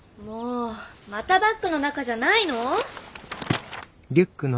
またバッグの中じゃないの？